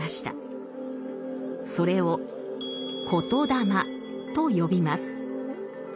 それを「言霊」と呼びます。